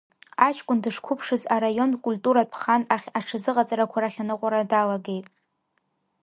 Аҷкәын дышқәыԥшыз араионтә культуратә хан ахь аҽазыҟаҵарақәа рахь аныҟәара далагеит.